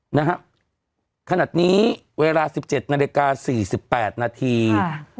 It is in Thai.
นะฮะขนาดนี้เวลาสิบเจ็ดนาฬิกาสี่สิบแปดนาที